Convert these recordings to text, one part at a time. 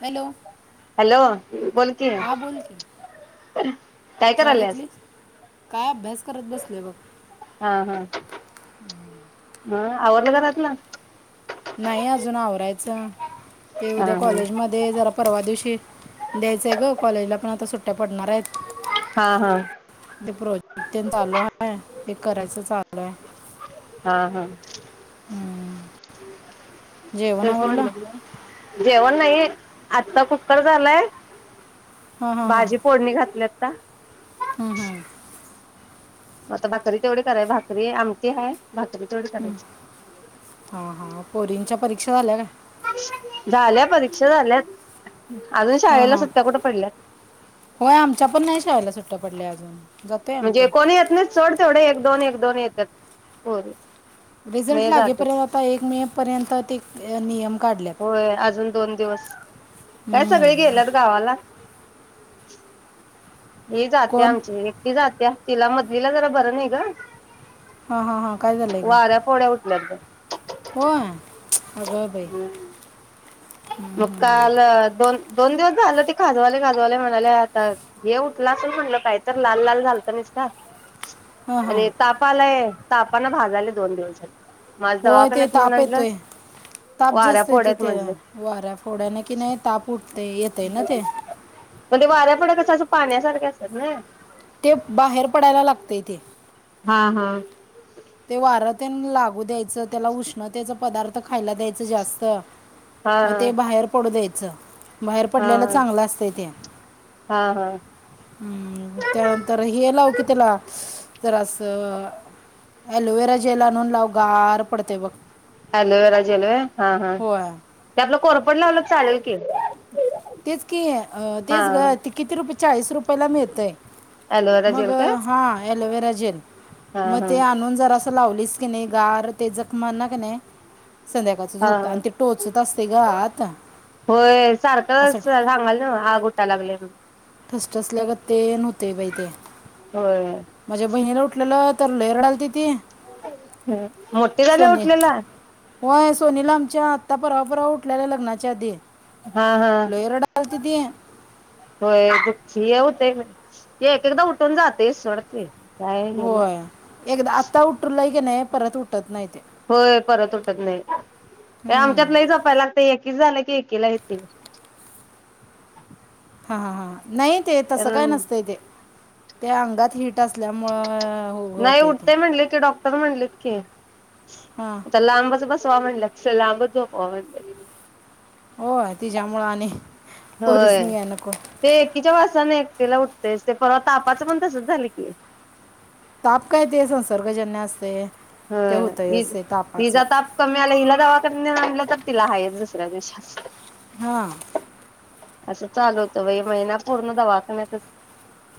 Hello hello बोल की हा बोलकी काय चहा करायल्यास घेतली काय अभ्यास करत बसलोय बघ हा हा ह आवरलं घरातल नाही अजून आवरायचं ते हा उद्या हा कॉलेज मध्ये जरा परवा दिवशी द्यायचंय ग कॉलेजला पण आता सुट्टया पडणार आहेत. हा हा. प्रोजेक्ट तेन चालू हाय ते करायच चालू हाय. हा हं. जेवण तेच आवरलं म्हणलं जेवन नाही आत्ता कुककर झालाय. भाजी फोडणी घातल्यात. आता हा हा. म आता भाकरी तेवढी कराय भाकरी, आमटी हाय. भाकरी तेवढी करायची. हां हां पोरींच्या परीक्षा झाल्या काय? झाल्या परीक्षा झाल्यात. अजून हां शाळेला हां सुट्ट्या कुठ पडल्यात? सुट्या पडल्या अजून जातोय आम्ही म्हणजे पण कोणी येत नाहीत सोड तेवढे एक दोन एक दोन येत्यात होय. रिझल्ट लागेपर्यंत आता एक मे पर्यंत ते नियम काढल्यात होय अजून दोन दिवस काय सगळी हं. गेल्यात गावाला. [inaudible] ही जातीया कोण आमची एकटी जातीया. तिला मधलीला जरा बरं नाही ग. हा हा हा काय झालंय ग? वाऱ्या पोळ्या उठल्यात ग होय. अगबाई! मग काल दोन दोन दिवस झालं ती खाजवालय खाजवालय म्हणालिया, आता हे उठलं असल म्हणलं काही तर लाल लाल झालत निस्ता हां हां आणि ताप आलाय. तापान भाजाल्या दोन दिवस झालं. होय ते ताप येतोय ताप वाऱ्या जास्त फोड्या येतोय आहेत म्हटलं त्याचान. वाऱ्या फोड्याने कि नाही ताप उठतय येतय ना ते. त्या फोड्या कसं असं पाण्यासारख्या असत्यात नाई. ते बाहेर पडायला लागतय ते हा हा ते वार त्या लागू द्यायचं त्याला उष्णतेचा पदार्थ खायला द्यायचं जास्त हा म ते बाहेर पडू दे च बाहेर हा हा पडलेला हा चांगलं असतय ते हा हा हम् त्यानंतर हे लाव की त्याला तरर अ असं अलोवेरा जेल आणून लाव गार पडतेय बघ. अलोवेरा जेलो हा हा होय ते त्यातलं कोरपड लावलं चालेल. की तेच कि तेच हा ग किती रुपये चाळीस रुप चाळीस रुपये ला मिळतंय अलोवेरा मग जेल काय हा ॲलोवेरा जेल हा मग हा ते आणून जरासं लावलीस कणे गार ते जखमांना काय नई संध्याकाळच हा झोपतान हा आणि ते टोचत असते ग आत होय असं सांगाल ना आग उठा लागलीया. ठसठसलया गत तेन होत ते बाई ते होय माझ्या बहिणीला उटल फुटल तर लई रडालतीत. ह मोठे झाल्यावर सोनी उठलेला? होय सोनिला आमच्या आत्ता परवा परवा उठलेल्या लग्नाच्या आधी. हा हा लय रडालती ती ते होय दु हे होतय एक एकदा उठून जातय सोडत ते. काय गलं होय एकदा आत्ता उठलंय की नाही परत उठत नाही ते होय परत उठत नाही हम्म. आमच्यात लै जपायला लागतय ए एकीच झालं की एक केला येतय. हा हा हा. नाही ते तसं काय नसतंय ते. त्या अंगात हिट नाही उठतय म्हणले की डॉक्टर म्हणलेत की हां लांबच बस झोपवा लांब च झोपवा म्हटल्या त. हो तिच्यामुळं आणि होय पोरीसनी घ्या नको ते एकीच्या वासाने एकटेला उ तेच ते परत तापाचं पण तसच झालं की. ताप काय ते संसर्गजन्य असतय. होय हिचा ताप कमी आला हिला दवाखान्यात नेऊन आणलं तर. तिला हायच दुसऱ्या दिवशी. हा. असं चालू होत बाई महिना पूर्ण दवाखान्यातच.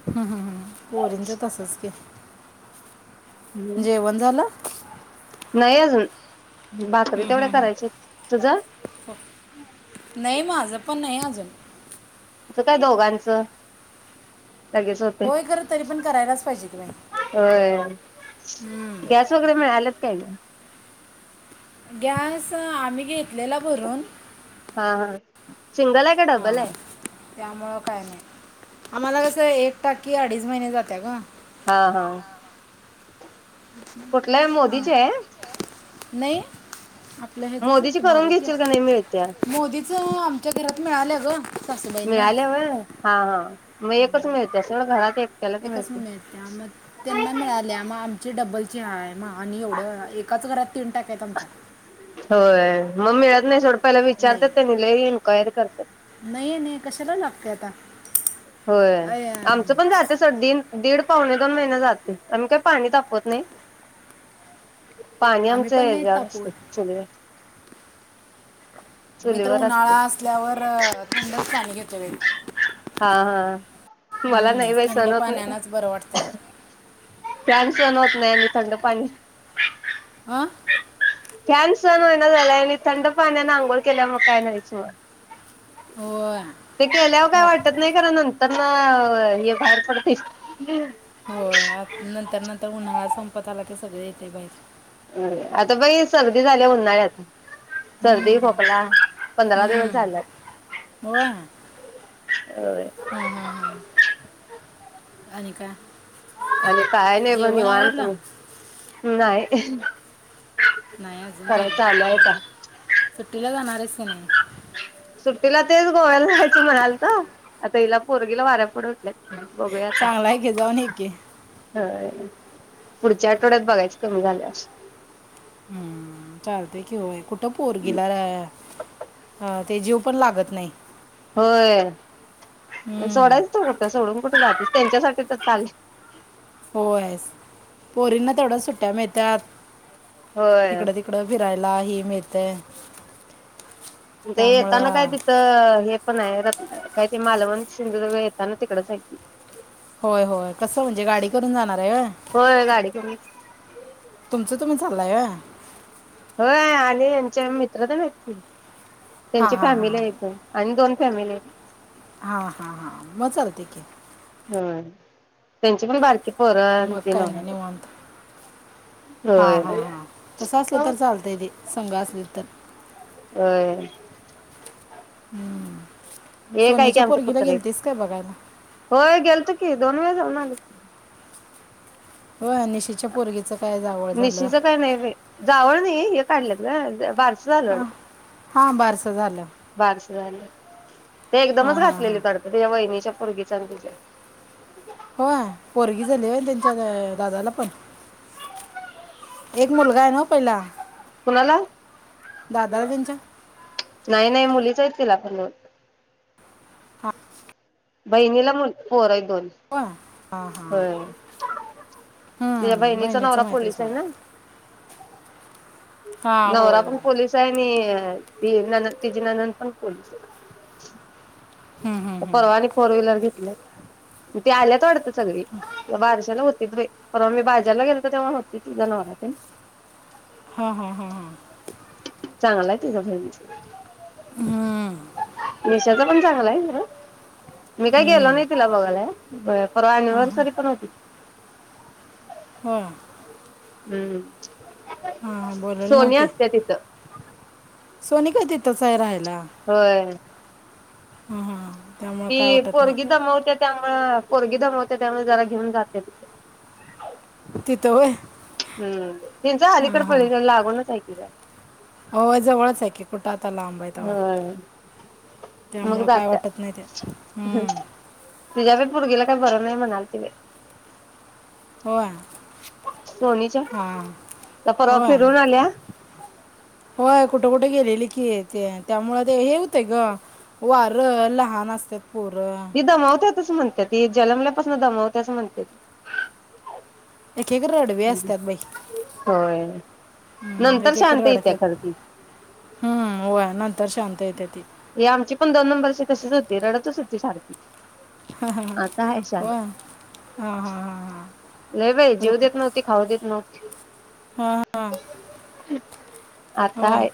हम्म हम्म हम्म पोरींचं तसच की. हम्म जेवण झालं नाही अजून. भाकरी तेवढ्या करायच्या तुझं. नाही माझं पण नाही अजून. तस काय दोघांचं. लगेच होतंय होय खरं तरी पण करायलाच पाहिजे की बाई होय, हम्म. गॅस वगैरे मिळालेत काय गं. गॅस आम्ही घेतलेला भरून हा हा. सिंगल आहे का हा डबल आहे त्यामुळं काय नाही. आम्हाला कसं एक टाकी अडीच महिने जाते गं. हा हा. कुठलं आहे मोदीची आहे [unintelligible] नाही. आपलं ह्याजच, आहे मोदीची की करून भारतीय घेशील का नाही मिळत्या मोदीच. [unintelligible] मिळालं ग सासूबाईंना मिळाल्याल्या होय हा. मग एकच मिळत्या सोड घरात एक एकच मिळते मग त्यांना मिळाल्या मग आमचे डब्बल [unintelligible] मग आणि एवढं एकाच घरात तीन टाक्या आहेत आमच्या‌. होय मग मिळत नाही सोड. पहीला विचारतात त्यांनी लय एन्क्वायरी करतात. नाही नाही कशाला लागते आता होय अय, अं, आमचं पण जात सोड दीन दीड. पावणे दोन महिने जाते आम्ही काही पाणी तापवत नाही. पाणी आम्ही आमच्या पण नाही ह्याच्यावर असते तापवत चुलीवर मी तर चुलीवर असते उन्हाळा असल्यावर थंडच पाणी घेते. [unintelligible] हा हा मला हम्म, नाही बाई थंड सण होत नाही पाण्यानंच बरं वाटतंय फॅन सण होत नाही आणि थंड पाणी. आ. फॅन सन होईना झालाय आणि थंड पाण्याने आंघोळ केल्याव मग काय नाहीच मग. होय ते केल्यावर काय लाग वाटत नाही खरा नंतर. तर ना हे बाहेर पडतेस होय आत नंतर नंतर उन्हाळा संपत आला ते सगळे येतील बाई आता बई सर्दी झाले उन्हाळ्यात सर्दी हम्महा खोकला पंधरा दिवस झाल्यात हम्म होय हा होय हा हा हा आणि काय आणि काय नाई ब जेवण निवांत आवरलं बग नाही. [inaudible] नाही अजून ना खरं चालू आहे आता सुट्टीला जाणारयेस क नाय? सुट्टीला तेच गोव्याला जायचं म्हणालतो, आता हिला पोरगीला वाऱ्या फोडं उठल्यात बघूया आता चांगला हाय की जाऊन ये की होय पुढच्या आठवड्यात बघायचं कमी झाल्यावर हूं चालतय की होय कुठं पोरगिला रया ते जीव पण लागत नाही. होय अन हम्म, सोडायचं तर कुठं सोडून कुठं जातीस त्यांच्यासाठी त चाल्लय होयस पोरींना तेवड्या सुट्ट्या मिळत्यात होय हिकडं तिकडं फिरायला हे मिळतंय. ते येताना काय त्यामुळं तिथं हे पण हाय रत काय ते मालवण सिंधुदुर्ग येेताना तिकडच हाय की, होय होय कस म्हणजे गाडी करून जाणार आहे व्हय होय गाडी करून तुमचं तुम्ही जा [unintelligible] लाय व्हय होय आणि ह्यांचे मित्र तेन हायत की हां त्यांची हां फॅमिली हां आहेत आणि दोन फॅमिली हा हा हा म चालतंय की होय त्यांची पण बार मग काय नाय निवांत हा होय हा हा तसं असलं तर चालतंय ते संग असली [inaudible] होय. हूं हे एक आहे की आमचं कुत्रं एक बघायला होय गेलतो की दोन वेळा जाऊन आलो हो निशीच्या पोरगीचं काय जावळ झालं निशीचं काय नाय बई जावळ नाही हे काढल्यात [unintelligible] बार झालं हां वाटतं हां बारसं झालं बारस झालं ते एकदमच हां हां घातलेले हां वाटतं त्यांच्या वहिनीच्या पुरगींच्या न तिच्या. होय पोरगी झाली होय त्यांच्या दादाला पण एक मुलगा आहे ना पहिला. कुणाला दादाला त्यांच्या नाय नाय मुलीच आहेत तिला. हलो [inaudible] बहिनीला मु पोर हाईत. दोन होय हां हां होय तुझ्या हम्म, बहिणीचा बहिणीचं नवरा माहिती पोलीस सोड आहे ना हां नवरा होय होय पण पोलीस आहे आणि ती नणंद तिजे नणंद पण पोलीस परवाणी फोर व्हीलर घे ते आल्यात वाडत सगळी त्या बारशाला व्ह [unintelligible] परवा मी बाजरला गेलोत तेव्हा होती तिझा नवरापण. हा हा हा हा. चांगलय तुझ्या बहिणीचं. हम्म, निश [inaudible] [unintelligible] पण चांगलाय [unintelligible] मी काय गेलो हम्म, नाही तिला बघायला परवा एनिव्हर्सरी पण होती. हूं. हूं. बोलायला सोनी नव्हते असतय तिथं. सोनी काय तिथंच आहे राह होय. हूं हूं. ती पोरगी दमावत्यात. त्यामुळ पोरगी दमवते त्यामुळे जरा घेऊन जाते तिथ. तिथं होय हां हूं त्यांच अलीकड पलीकड लागूनच हाय [inaudible] होय जवळच हाय की कुठात आता लांबय तवा होय. मग त्यामुळ काय जात्या वाटत नाय ते हूं. तिच्या बी पोरगीला काय बरं नाय म्हणालती बाय. होय. सोनीच्या हां त्या परवा होय फिरून आल्या. होय कुठं कुठं गेलेले की ते त्यामुळ ते हे होतय ग वार लहान असतात. पोर [unintelligible] म्हणत्यात जल्मल्यापासन दमवत्यात म्हणत्यात. एके एक रडवी असतात बाई होय. हूं नंतर एक एक शांत येत्या खरं ती रडतात ह व नंतर शांत येत्याती. ते आमची पण दोन नंबरची तशीच होती. रडतच होती सारखी. हा हा हा आता हाय शांत होय हा हा. वय बाई जेऊ देत नव्हती. खाऊ देत नव्हती. अ हा हा आता होय हाय.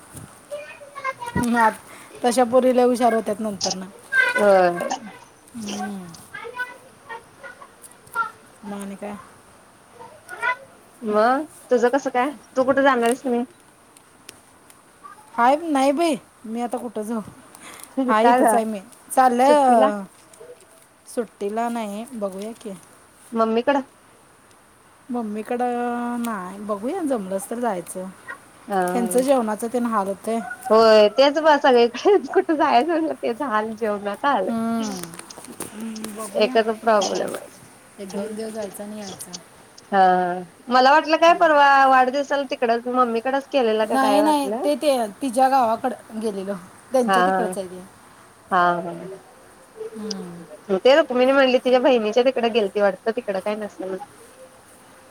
आता [inaudible] पोरीला विचार [inaudible] [unintelligible] होय हम्म मग आणि काय? मग तुझं कसं काय? तु कुठं जाणारायस कि नाही? हाय नाही बाई मी आता कुठं जाऊ. हाय काय इथेच ग हाय मी सुट्टीला? चाललंय सुट्टी तिला नाही बघूया की मम्मीकड मम्मी कडं नाही. बघूया जमलंस तर जायचं. हा हयाचं जेवणाचं ते हाल [unintelligible] होय तेच बघ सगळीकडे कुठं जायचं तेच हाल. जेवनाच हाल. हम्म, हम्म, बघूया एकच जायचं एक प्रॉब्लेमाय दोन दिवस जायचं आणि यायचं मला वाटलं काय परवा वाढदिवसाला तिकडंच मम्मीकडच केलेलं का नाही काय नाही वाटलं ते ते तिच्या गावाकडं गेले ग. हा हा हा हा हम्म. ते तिन म्हणली तिच्या बहिणीच्या तिकडं गेलती वाटतं तिकडं काय नसतं.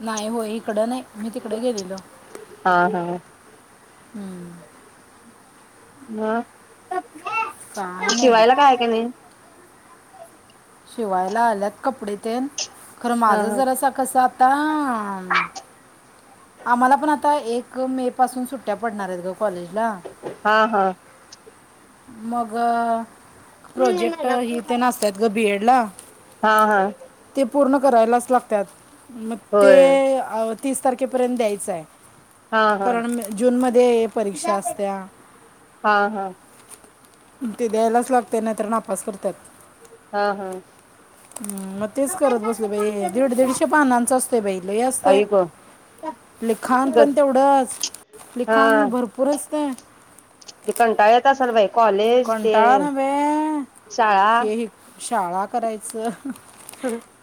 नाही होय इकडं नाही मी तिकडं गेलेलो हा हा हम. हा. काय नाही बघ शिवायला काय हाय का नाही. शिवायला आल्यात कपडे तेन खरं माझं हा जरासं असं कसं आता आम्हाला पण आता एक मे पासून सुट्ट्या पडणार आहेत ग कॉलेजला. हा हा. मग प्रोजेक्ट हे ते असतात ग बी ऐडला हा हा हा ते पूर्ण करायलाच लागत्यात मग ते होय अ तीस तारखेपर्यंत द्यायचं आहे हा हा कारण जूनमध्ये परीक्षा असतिया हा हा ते द्यायलाच लागते नाहीतर नापास करत्यात हा हम् मग तेच करत बसले बाई दीड दीडशे पानांच असते बाई लई असते आई ग लिखाण पण तेवढंच लिखाण हा भरपूरच त ते कंटाळा येत असल बाई कॉलेज ते कंटाळा ना बे शाळा हे हि शाळा करायचं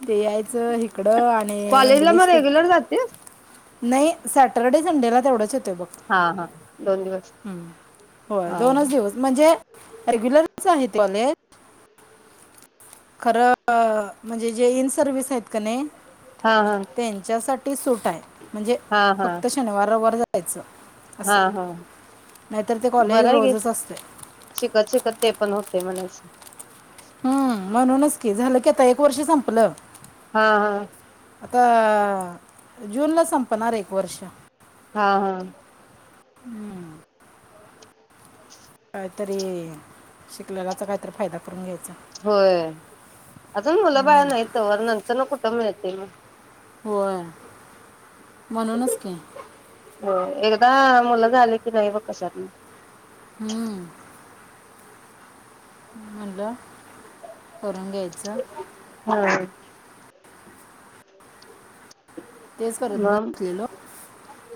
ते यायचं हिकडं आणि कॉलेजला इंग्लिश मग स्पीक रेग्युलर जातेस नाही सॅटर्डे संडेला तेवढंच हा हा दोन दिवस होय हा दोनच दिवस म्हणजे रेग्युलरच आहे कॉलेज खरं म्हणजे जे इन सर्विस आहेत कनी हा हा त्यांच्या सा ती सूट आहे. म्हणजे हा हा फक्त शनिवार रवार जा जायचं हा असं हा नाहीतर ते कॉलेज बरंय गे रोजच असते शिकत, शिकत ते पण होतय म्हणायचं हम् म्हणूनच झालं की आता एक वर्ष संपलं हा, हा आता जूनला संपणार एक वर्ष हा, हा हम्म काहीतरी शिकलेल्याचा काहीतरी फायदा करून घ्यायचा होय अजून मुलं बाळ हम्म, नाहीत तवर नंतर न कुठं मिळतय मग होय म्हणूनच की होय एकदा मुल झाले की नाही बग कशात हम्म म्हटलं करून घ्यायचं हा तेच परत मग बसलेलो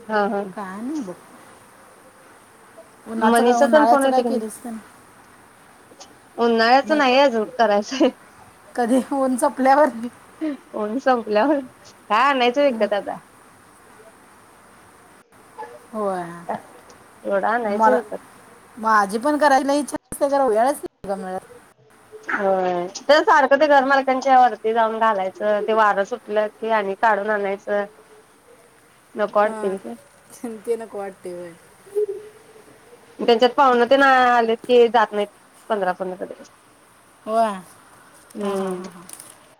हा हा काय नाही बघ उन्हाचं काय मनीषा तण फोन उन्हाळ्याचं येत काय नाही, केलीस तर उन्हाळ्याच मग नाही अजून करायचय कधी ऊन चपल्यावर ऊन संपल्यावर. काय आणायचं विकत आता. होय एवढं आणायचं मला विकत माझी. पण करायला इच्छा असते, [unintelligible] वेळच नाही गं मिळत. हा. ते सारखं ते घरमालकांच्या वरती. ते जाऊन घालायचं ते वारं सुटलं की, आणि काढून आणायचं. नको हा. वाटतंय ते नको वाटतेय होय. त्यांच्यात पाहुण तेन आलेत की जात नाहीत पंधरा, पंधरा दिवस. वा हा हा हम्म हा.